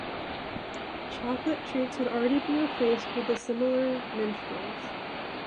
Chocolate Treets had already been replaced with the similar Minstrels.